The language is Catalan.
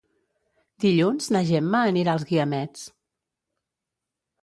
Dilluns na Gemma anirà als Guiamets.